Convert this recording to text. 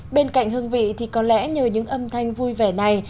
bên cạnh hương vị thì có lẽ nhờ những âm thanh vui vẻ này